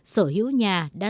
ba mươi sở hữu nhà đã